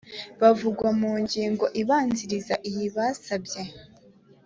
bavugwa mu ngingo ibanziriza iyi basabye